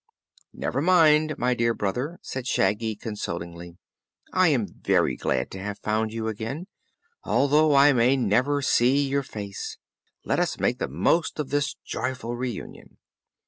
"Never mind, my dear Brother," said Shaggy consolingly; "I am very happy to have found you again, although I may never see your face. So let us make the most of this joyful reunion."